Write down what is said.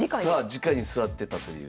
じかに座ってたという。